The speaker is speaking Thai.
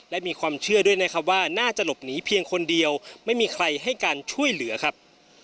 และมีความเชื่อด้วยนะครับว่าน่าจะหลบหนีเพียงคนเดียวไม่มีใครให้การช่วยเหลือครับ